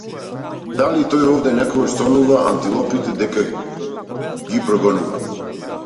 Дали тој овде некогаш сонува антилопите дека ги ги прогонува?